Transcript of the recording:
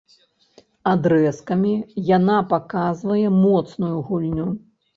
Адрэзкамі яна паказвае моцную гульню.